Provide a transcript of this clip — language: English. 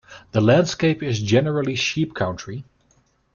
The landscape is generally sheep country.